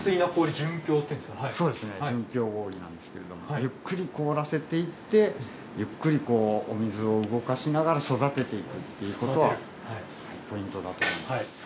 純粋な氷、そうですね、純氷こおりなんですけど、ゆっくり凍らせていって、ゆっくりお水を動かしながら、育てていくっていうことがポイントだと思います。